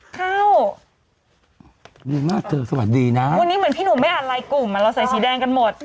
เข้าดีมากเธอสวัสดีนะวันนี้เหมือนพี่หนุ่มไม่อ่านไลน์กลุ่มอ่ะเราใส่สีแดงกันหมด